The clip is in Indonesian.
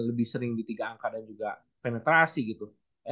lebih sering di tiga angka dan juga penetrasi gitu